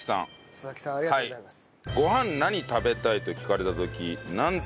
佐々木さんありがとうございます。